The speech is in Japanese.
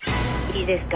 いいですか？